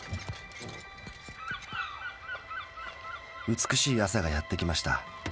美しい朝がやってきました。